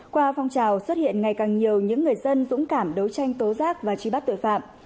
qua phong trào xuất hiện ngày càng nhiều những người dân dũng cảm đấu tranh tố giác và truy bắt tội phạm